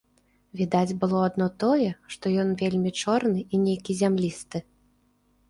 Відаць было адно тое, што ён вельмі чорны і нейкі зямлісты.